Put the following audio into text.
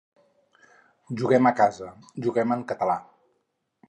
Juguem a casa, juguem en català.